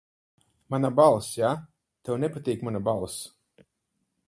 Mana balss, ja? Tev nepatīk mana balss.